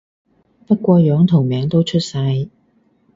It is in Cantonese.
不過樣同名都出晒